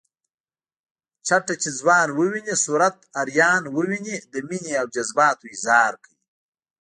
چټه چې ځوان وويني صورت حیران وويني د مینې او جذباتو اظهار کوي